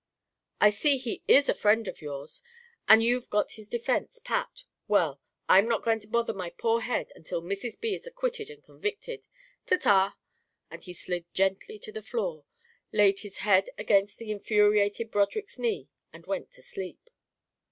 "I see he is a friend of yours and you've got his defence pat well, I'm not going to bother my poor head until Mrs. B. is acquitted or convicted. Ta! Ta!" And he slid gently to the floor, laid his head against the infuriated Broderick's knee and went to sleep.